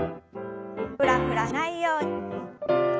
ふらふらしないように。